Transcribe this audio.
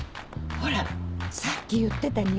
ほらさっき言ってた肉じゃが。